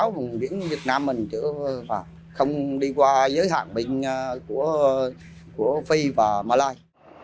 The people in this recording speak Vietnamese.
ba mươi năm ba mươi sáu vùng biển việt nam mình chữa và không đi qua giới hạn bình của phi và mà lai